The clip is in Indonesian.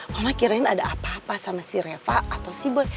mama kirain ada apa apa sama si reva atau siber